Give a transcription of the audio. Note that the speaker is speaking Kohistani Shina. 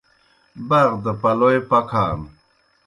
باغ دہ پلوئے پکھان۔